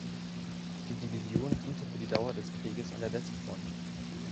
Die Division diente für die Dauer des Krieges an der Westfront.